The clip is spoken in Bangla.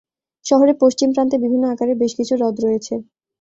শহরের পশ্চিম প্রান্তে বিভিন্ন আকারের বেশ কিছু হ্রদ রয়েছে।